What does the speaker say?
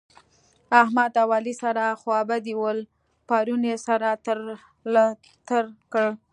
احمد او علي سره خوابدي ول؛ پرون يې سره تر له تېر کړل